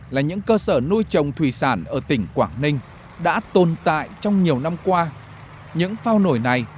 là những cơ sở nuôi trồng thủy sản ở tỉnh quảng ninh đã tồn tại trong nhiều năm qua những phao nổi này